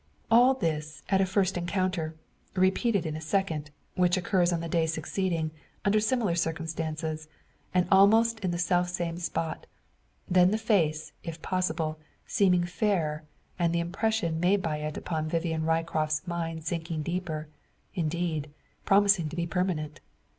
All this at a first encounter; repeated in a second, which occurs on the day succeeding, under similar circumstances, and almost in the selfsame spot; then the face, if possible, seeming fairer, and the impression made by it on Vivian Ryecroft's mind sinking deeper indeed, promising to be permanent.